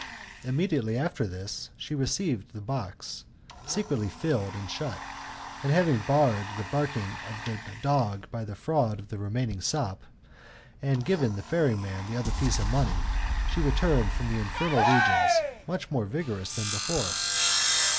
Immediately after this, she received the box, secretly filled^nd shut; and having barred the barking of the dog by the fraud of the remaining sop, and given the ferryman the other piece of money, she returned from the infernal regions much more vigorous than before.